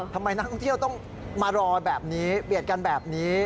ทำไมนักท่องเที่ยวต้องมารอแบบนี้เบียดกันแบบนี้